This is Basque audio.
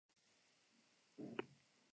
Hondarribia Arraun Elkartea izan zen txapelduna.